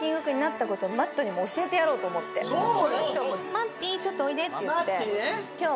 マッティーちょっとおいでって言って。